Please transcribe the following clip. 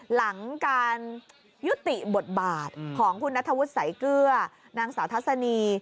หลังการยุติบทบาทของคุณนัทธวุฒิสายเกลือนางสาวทัศนี